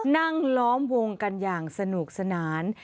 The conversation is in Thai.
นั่งล้อมวงกันอย่างสนุกสนาน